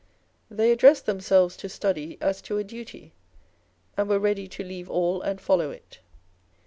They addressed themselves to study as to a duty, and were ready to " leave all and follow it."